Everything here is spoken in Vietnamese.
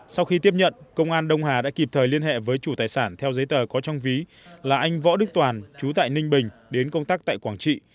sau khi tiếp nhận công an đông hà đã kịp thời liên hệ với chủ tài sản theo giấy tờ có trong ví là anh võ đức toàn chú tại ninh bình đến công tác tại quảng trị